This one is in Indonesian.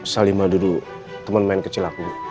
salimah dulu teman main kecil aku